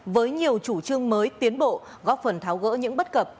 với nhiều chủ trương mới tiến bộ góp phần tháo gỡ những bất cập